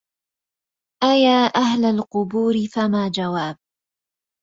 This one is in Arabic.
أيا أهل القبور فما جواب